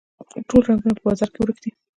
ټوله رنګونه په بازار کې ورک دي